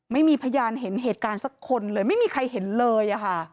ไม่มีพยานเห็นเหตุการณ์สักคนเลยไม่มีใครเห็นเลยอะค่ะ